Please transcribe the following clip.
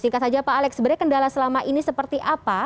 singkat saja pak alex sebenarnya kendala selama ini seperti apa